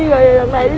rồi lần này đi lấy cốt